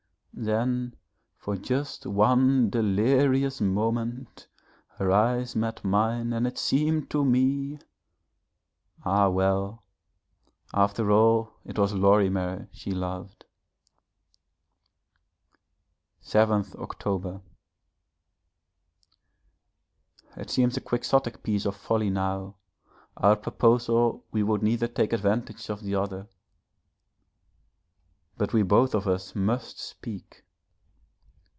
Then for just one delirious moment her eyes met mine and it seemed to me ah, well, after all it was Lorimer she loved. 7th October. It seems a Quixotic piece of folly now, our proposal we would neither take advantage of the other, but we both of us must speak.